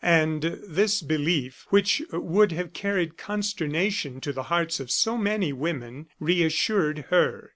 And this belief, which would have carried consternation to the hearts of so many women, reassured her.